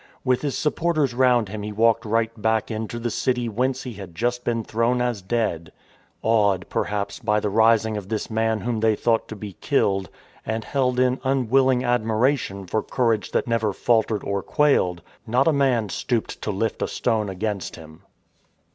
With his supporters round him he walked right back into the city whence he had just been thrown as dead. Awed, perhaps, by the rising of this man whom they thought to be killed, and held in unwilling admiration for courage that never faltered or quailed, not a man stooped to lift a stone against him.